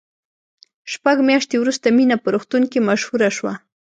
شپږ میاشتې وروسته مینه په روغتون کې مشهوره شوه